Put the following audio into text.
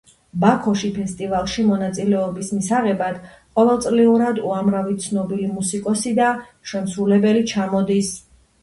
ბაქოში ფესტივალში მონაწილეობის მისაღებად ყოველწლიურად უამრავი ცნობილი მუსიკოსი და შემსრულებელი ჩამოდის.